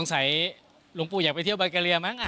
หลวงปู่อยากไปเที่ยวบายกาเลียมั้ง